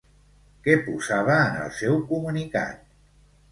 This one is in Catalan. Què posava en el seu comunicat?